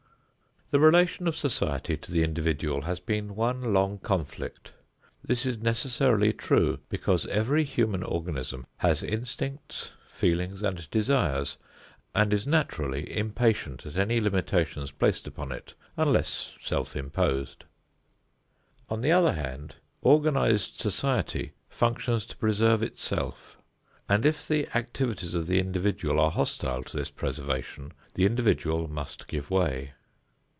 The relation of society to the individual has been one long conflict. This is necessarily true because every human organism has instincts, feelings and desires and is naturally impatient at any limitations placed upon it unless self imposed. On the other hand, organized society functions to preserve itself, and if the activities of the individual are hostile to this preservation the individual must give way.